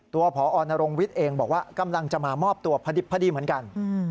ตัวพอนวิทย์เองบอกว่ากำลังจะมามอบตัวพระดิบพระดิบเหมือนกัน